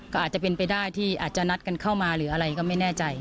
ก็อาจจะเป็นไปได้ที่อาจจะนัดกันเข้ามาหรืออะไรก็ไม่แน่ใจ